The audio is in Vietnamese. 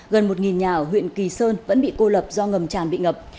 gần một nhà ở huyện kỳ sơn vẫn bị cô lập do ngầm tràn bị ngập